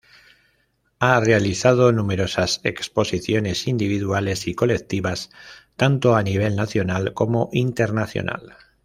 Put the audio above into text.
Ha realizado numerosas exposiciones individuales y colectivas, tanto a nivel nacional como internacional.